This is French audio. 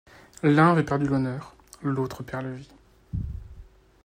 L’un avait perdu l’honneur, l’autre perd la vie.